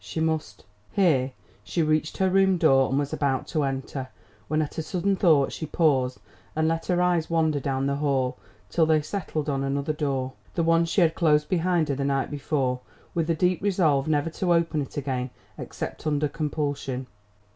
She must Here she reached her room door and was about to enter, when at a sudden thought she paused and let her eyes wander down the hall, till they settled on another door, the one she had closed behind her the night before, with the deep resolve never to open it again except under compulsion.